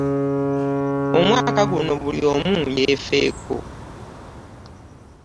Omwaka guno buli omu yeefeeko.